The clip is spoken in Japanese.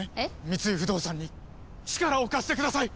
三井不動産に力を貸してください！